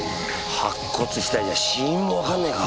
白骨死体じゃ死因もわかんねぇか。